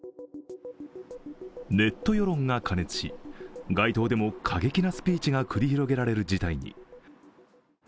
ネット世論が過熱し、街頭でも過激なスピーチが繰り広げられる事態に。